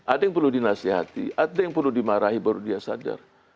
ada yang perlu dinasihati ada yang perlu dimarahi baru dia sadar